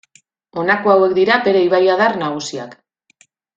Honako hauek dira bere ibaiadar nagusiak.